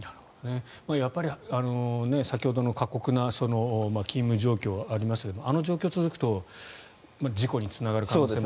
やっぱり先ほどの過酷な勤務状況がありましたけどあの状況が続くと事故につながる可能性も。